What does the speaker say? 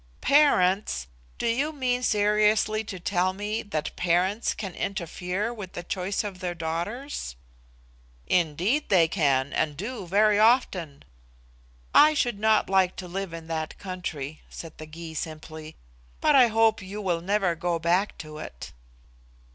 "Parents! Do you mean seriously to tell me that parents can interfere with the choice of their daughters?" "Indeed they can, and do very often." "I should not like to live in that country," said the Gy simply; "but I hope you will never go back to it."